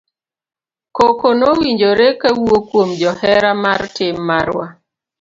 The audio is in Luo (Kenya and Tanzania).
Koko nowinjore kawuok kuom johera mar tim marwa.